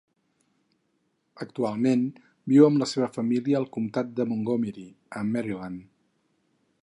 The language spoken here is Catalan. Actualment viu amb la seva família al Comtat de Montgomery, a Maryland.